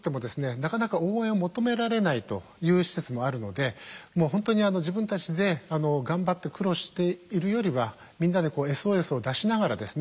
なかなか応援を求められないという施設もあるのでもう本当に自分たちで頑張って苦労しているよりはみんなでＳＯＳを出しながらですね